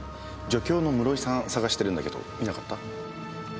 助教の室井さんを捜してるんだけど見なかった？